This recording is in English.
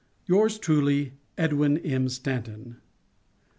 _" Yours truly, EDWIN M. STANTON.